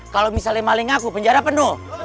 kalau misalnya maling aku penjara penuh